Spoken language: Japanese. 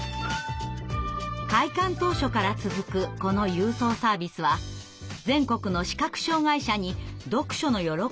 開館当初から続くこの郵送サービスは全国の視覚障害者に読書の喜びを届けてきました。